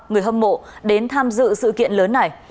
người hâm mộ đến tham dự sự kiện lớn này